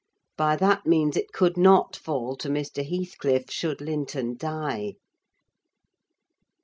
By that means, it could not fall to Mr. Heathcliff should Linton die.